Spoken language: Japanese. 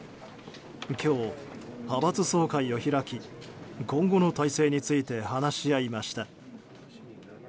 今日、派閥総会を開き今後の体制について話し合いました。